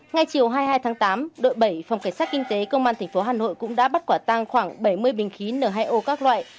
ngay chiều hai mươi hai tháng tám đội bảy phòng cảnh sát kinh tế công an tp hà nội cũng đã bắt quả tăng khoảng bảy mươi bình khí n hai o các loại